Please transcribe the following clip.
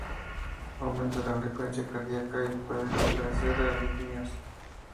Aumenta la frecuencia cardiaca y pueden aparecer arritmias.